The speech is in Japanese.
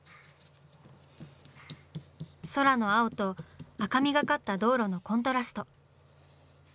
空の青と赤みがかった道路のコントラスト。